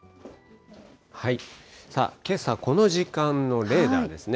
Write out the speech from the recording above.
けさ、この時間のレーダーですね。